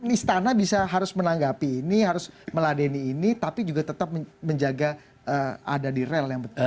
istana bisa harus menanggapi ini harus meladeni ini tapi juga tetap menjaga ada di rel yang